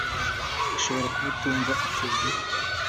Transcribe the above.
ushobora kuba utumva ukuntu